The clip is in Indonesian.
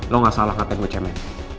lo gak salah ngatain gue cemen